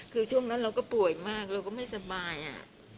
คือช่วงนั้นเราก็ป่วยมากเราก็ไม่สบายอ่ะ